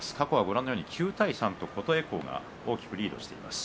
９対３と琴恵光が大きくリードしています。